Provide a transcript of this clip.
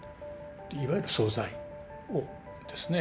いわゆる総菜をですね